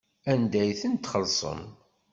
Anda ay ten-txellṣem?